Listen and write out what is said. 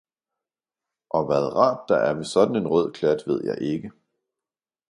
Og hvad rart der er ved sådan en rød klat, ved jeg ikke!